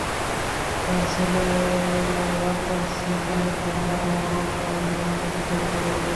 আর তাঁর ছেলে আমর অনবরত যুদ্ধ করতে লাগলেন।